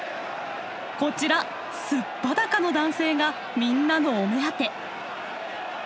こちら素っ裸の男性がみんなのお目当て！